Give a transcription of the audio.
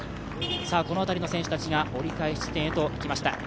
この辺りの選手たちが、折り返し地点へときました。